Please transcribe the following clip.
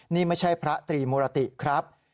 นี่ไม่ใช่พระตรีมุรติครับ